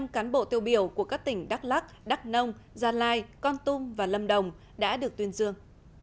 một trăm linh cán bộ tiêu biểu của các tỉnh đắk lắc đắk nông gia lai con tum và lâm đồng đã được tuyên dương